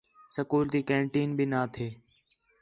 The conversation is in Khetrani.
سکول تی کینٹین بھی نہ تھے